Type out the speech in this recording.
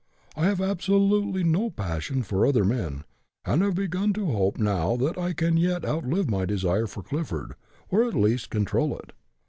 I have absolutely no passion for other men, and have begun to hope now that I can yet outlive my desire for Clifford, or at least control it.